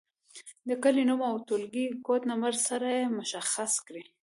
د کلي نوم او د ټولګي کوډ نمبر سره یې مشخص کړئ.